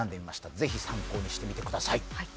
ぜひ参考にしてみてください。